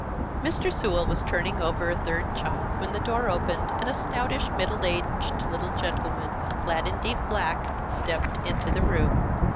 Mr. Sewell was turning over a third chop, when the door opened and a stoutish, middle aged little gentleman, clad in deep black, stepped into the room.